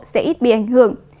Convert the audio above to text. sẽ ít bị ảnh hưởng